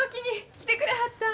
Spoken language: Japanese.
来てくれはったん？